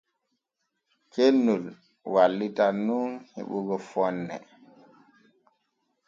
Cennol wallitan nun heɓugo fonne.